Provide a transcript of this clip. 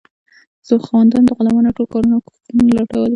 خاوندانو د غلامانو ټول کارونه او کوښښونه لوټول.